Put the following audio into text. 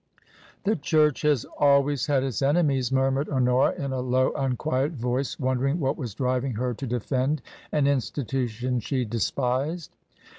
The church has always had its enemies," murmured Honora, in a low, unquiet voice, wondering what was driving her to defend an institution she despised.